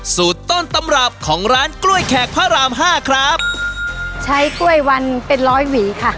สูตรต้นตำรับของร้านกล้วยแขกพระรามห้าครับใช้กล้วยวันเป็นร้อยหวีค่ะ